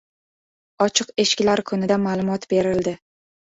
«Ochiq eshiklar» kunida ma’lumot berildi